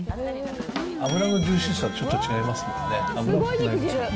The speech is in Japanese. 脂のジューシーさがちょっと違いますもんね。